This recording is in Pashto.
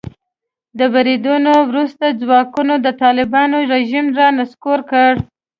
د بریدونو وروسته ځواکونو د طالبانو رژیم را نسکور کړ.